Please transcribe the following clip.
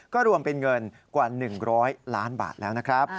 ก็รวมเป็นเงินกว่า๑๐๐ล้านบาทแล้วนะครับ